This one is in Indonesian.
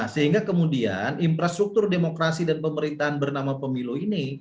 sehingga kemudian infrastruktur demokrasi dan pemerintahan bernama pemilu ini